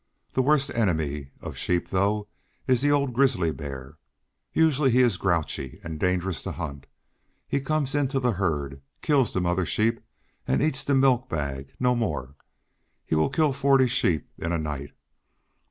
The worst enemy of sheep, though, is the old grizzly bear. Usually he is grouchy, and dangerous to hunt. He comes into the herd, kills the mother sheep, and eats the milk bag no more! He will kill forty sheep in a night.